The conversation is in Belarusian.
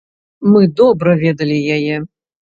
Мы добра ведалі яе.